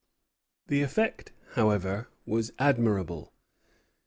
The effect, however, was admirable.